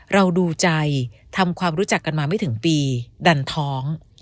เราดูใจทำความรู้จักกันมาไม่ถึงปีดันท้อง